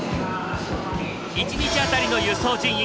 １日当たりの輸送人員